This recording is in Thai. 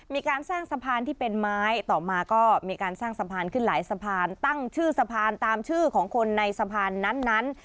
มีการสร้างสะพานที่เป็นไม้ต่อมาก็มีการสร้างสะพานขึ้นหลายสะพานตั้งชื่อสะพานตามชื่อของคนในสะพานนั้น